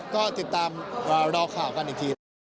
ก็ติดตามรอข่าวกันอีกที